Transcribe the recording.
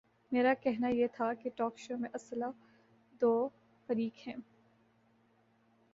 میرا کہنا یہ تھا کہ ٹاک شو میں اصلا دو فریق ہیں۔